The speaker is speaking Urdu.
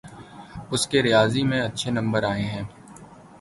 اس کے ریاضی میں اچھے نمبر آئے ہیں